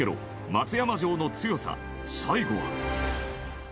松山城の強さ最後は宮崎：